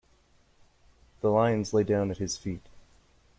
The lions lay down at his feet.